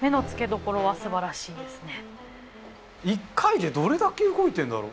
１回でどれだけ動いてんだろう？